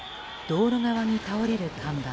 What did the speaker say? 道路側に倒れる看板。